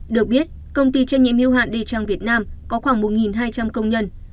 được biết công ty trách nhiệm hưu hạn de trang việt nam có khoảng một hai trăm linh công nhân